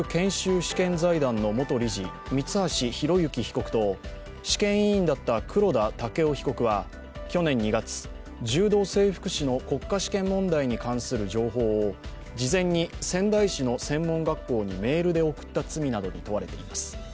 試験財団の元理事三橋裕之被告と試験委員だった黒田剛生被告は去年２月柔道整復師の国家試験問題に関する情報を事前に仙台市の専門学校にメールで送った罪などに問われています。